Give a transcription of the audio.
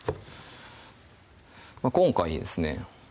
今回ですね